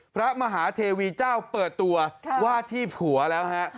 พระมหาเทวีเจ้าเปิดตัวว่าที่ผัวแล้วฮะ